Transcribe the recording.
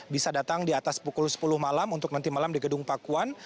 bisa datang di atas pukul sepuluh malam untuk nanti malam di gedung pakuan